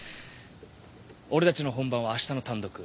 俺たちの本番はあしたの単独。